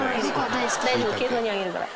大丈夫敬蔵にあげるから。